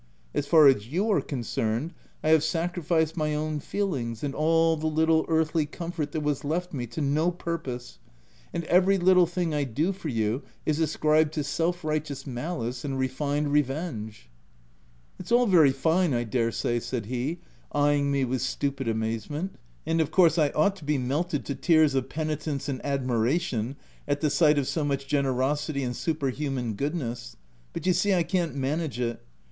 As far as you are concerned, I have sacrificed my own feel ings, and ail the little earthly comfort that was left me, to no purpose ;— and every little thing I do, for you is ascribed to self righteous malice and refined revenge !"," It's ail very fine, I dare say," said he, eye ing me with stupid amazement; " and of course I ought to be melted to tears of penitence and admiration at the sight of so much generosity and superhuman goodness, — but you see I can't manage it.